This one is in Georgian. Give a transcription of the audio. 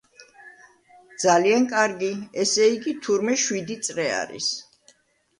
ძალიან კარგი, ესე იგი, თურმე შვიდი წრე არის.